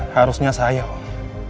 harusnya saya om